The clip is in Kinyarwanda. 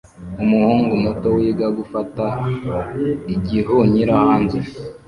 Umuhungu muto wiga gufata igihunyira hanze